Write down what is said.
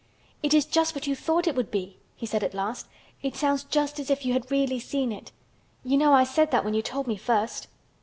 "It is just what you thought it would be," he said at last. "It sounds just as if you had really seen it. You know I said that when you told me first."